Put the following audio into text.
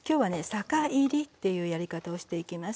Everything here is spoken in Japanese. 酒いりっていうやり方をしていきます。